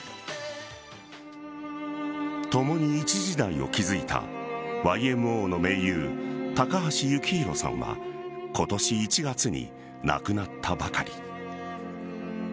共に一時代を築いたＹＭＯの盟友高橋幸宏さんは今年１月に亡くなったばかり。